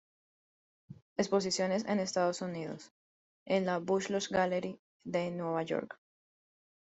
Exposiciones en Estados Unidos, en la Buchholz Gallery de Nueva York.